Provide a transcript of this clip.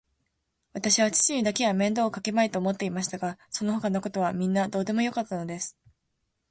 わたしは父にだけは面倒をかけまいと思っていましたが、そのほかのことはみんなどうでもよかったのです。